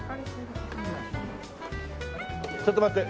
ちょっと待って！